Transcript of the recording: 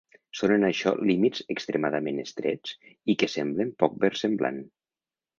Són en això límits extremadament estrets i que semblen poc versemblant.